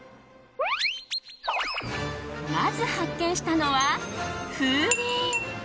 まず発見したのは、風鈴。